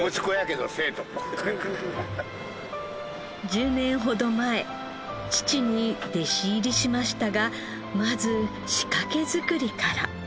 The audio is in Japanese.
１０年ほど前父に弟子入りしましたがまず仕掛け作りから。